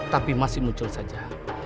tapi masih muncul saja